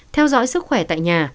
theo dõi sức khỏe tại nhà